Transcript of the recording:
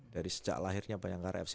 dari sejak lahirnya bayangkara fc